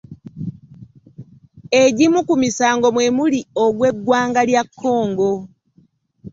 Egimu ku misango mwe muli ogw’eggwanga lya Congo.